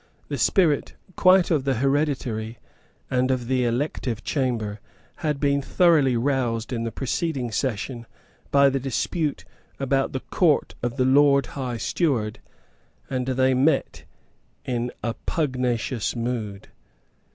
The spirit both of the hereditary and of the elective chamber had been thoroughly roused in the preceding session by the dispute about the Court of the Lord High Steward; and they met in a pugnacious mood.